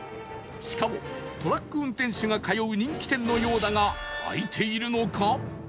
しかもトラック運転手が通う人気店のようだが開いているのか？